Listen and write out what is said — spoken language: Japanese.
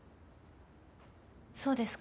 そうですか。